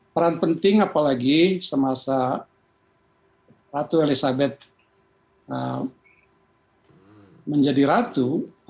peran penting apalagi semasa ratu elizabeth menjadi ratu